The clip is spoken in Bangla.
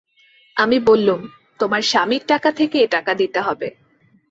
আমি বললুম, তোমার স্বামীর টাকা থেকে এ টাকা দিতে হবে।